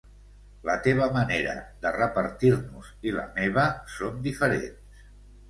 La teva manera de repartir-nos i la meva són diferents.